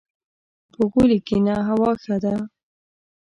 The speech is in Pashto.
• په غولي کښېنه، هوا ښه ده.